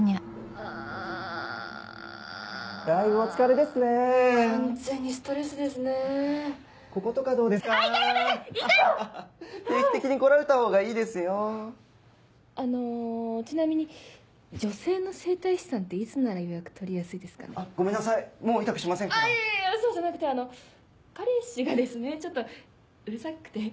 あぁいやいやいやそうじゃなくてあの彼氏がですねちょっとうるさくて。